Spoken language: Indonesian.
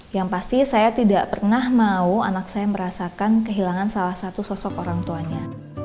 yang pasti saya tidak pernah mau anak saya merasakan kehilangan salah satu sosok orang tuanya